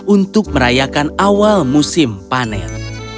untuk merayakan awal musim panen